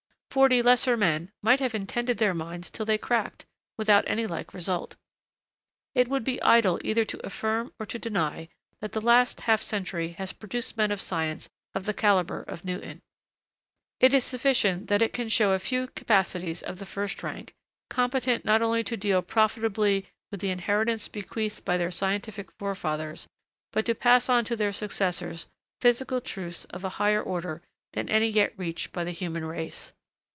Forty lesser men might have intended their minds till they cracked, without any like result. It would be idle either to affirm or to deny that the last half century has produced men of science of the calibre of Newton. It is sufficient that it can show a few capacities of the first rank, competent not only to deal profitably with the inheritance bequeathed by their scientific forefathers, but to pass on to their successors physical truths of a higher order than any yet reached by the human race.